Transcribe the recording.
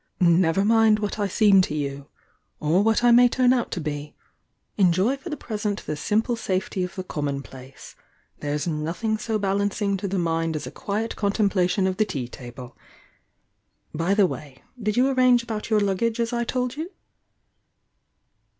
Never mind what I seem to you, or what I may turn out to be, — enjoy for the present the simple safety of the Common place; there's nothing so balancing to the mind as a quiet contemplation of the tea table! By the way. did you arrange about your luggage as I told you?"